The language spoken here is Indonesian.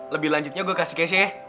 lebih lanjutnya gue kasih keisha ya